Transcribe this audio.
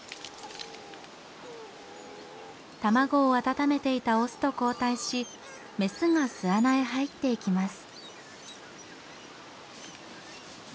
卵を温めていたオスと交代しメスが巣穴へ入っていきます。